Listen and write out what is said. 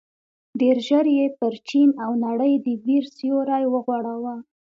ډېر ژر یې پر چين او نړۍ د وېر سيوری وغوړاوه.